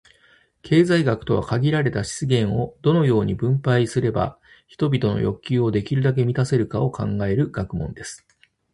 経済学とは、「限られた資源を、どのように分配すれば人々の欲求をできるだけ満たせるか」を考える学問です。